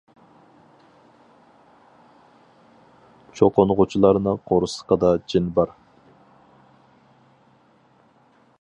چوقۇنغۇچىلارنىڭ قورسىقىدا جىن بار!